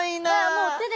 もう手で。